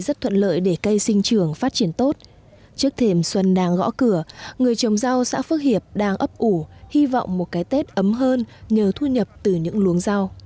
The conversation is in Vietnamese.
phun thuốc là phải phát sinh nhiều hơn sau khi trồng theo kiếu rau sạch thì mình trồng cái thưa hơn